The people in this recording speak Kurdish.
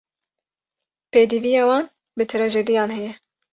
Pêdiviya wan bi trajediyan heye.